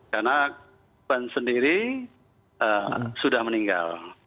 karena korban sendiri sudah meninggal